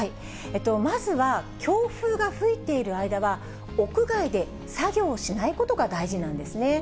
まずは強風が吹いている間は、屋外で作業しないことが大事なんですね。